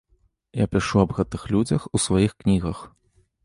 Я пішу аб гэтых людзях у сваіх кнігах.